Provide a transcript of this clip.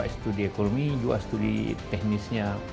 studi ekonomi juga studi teknisnya